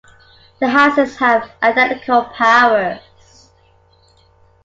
The houses have identical powers.